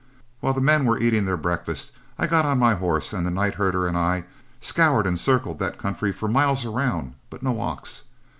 While the men were eating their breakfast, I got on my horse and the night herder and I scoured and circled that country for miles around, but no ox.